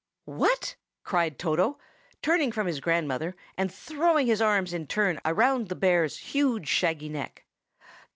"What!" cried Toto, turning from his grandmother, and throwing his arms in turn round the bear's huge shaggy neck.